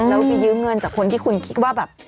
แล้วไปยืมเงินจากคนที่คุณคิดว่าแบบ